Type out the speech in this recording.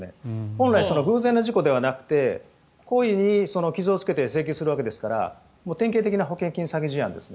本来、偶然の事故ではなくて故意に傷をつけて請求するわけですから典型的な保険金詐欺事案です。